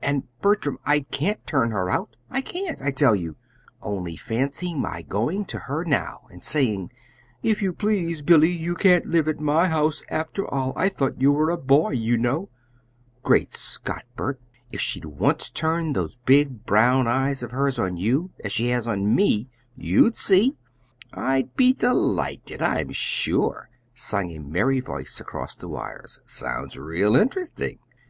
"And, Bertram, I can't turn her out I can't, I tell you. Only fancy my going to her now and saying: 'If you please, Billy, you can't live at my house, after all. I thought you were a boy, you know!' Great Scott! Bert, if she'd once turned those big brown eyes of hers on you as she has on me, you'd see!" "I'd be delighted, I'm sure," sung a merry voice across the wires. "Sounds real interesting!"